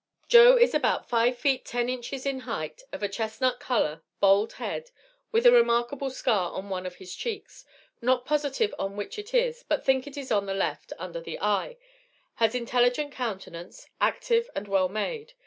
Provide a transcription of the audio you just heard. Joe is about 5 feet 10 inches in height, of a chestnut color, bald head, with a remarkable scar on one of his cheeks, not positive on which it is, but think it is on the left, under the eye, has intelligent countenance, active, and well made.